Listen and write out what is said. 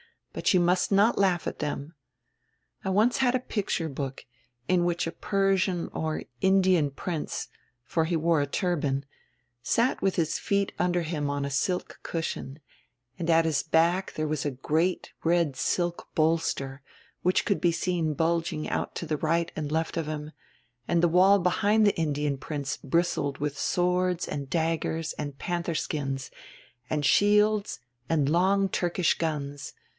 But you must not laugh at them. I once had a picture book, in which a Persian or Indian prince (for he wore a turban) sat with his feet under him on a silk cushion, and at his back there was a great red silk bolster, which could be seen bulging out to the right and left of him, and the wall behind the Indian prince bristled with swords and daggers and panther skins and shields and long Turkish guns.